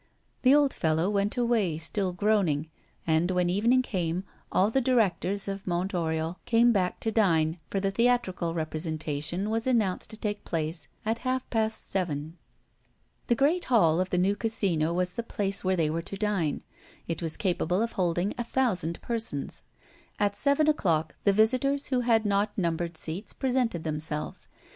The old fellow went away still groaning; and, when evening came on, all the directors of Mont Oriol came back to dine, for the theatrical representation was announced to take place at half past seven. The great hall of the new Casino was the place where they were to dine. It was capable of holding a thousand persons. At seven o'clock the visitors who had not numbered seats presented themselves.